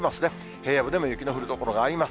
平野部でも雪の降る所があります。